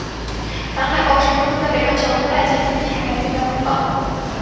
港海豹是分布在北半球温带及极地海域的海豹。